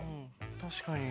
確かに。